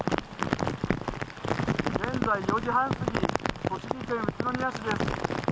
現在４時半過ぎ、栃木県宇都宮市です。